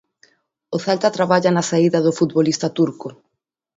O Celta traballa na saída do futbolista turco.